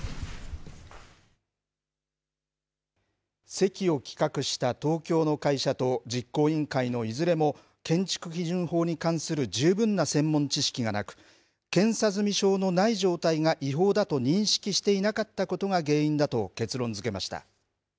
席を企画した東京の会社と実行委員会のいずれも、建築基準法に関する十分な専門知識がなく、検査済証のない状態が違法だと認識していなかったことが原因だと結論づけました。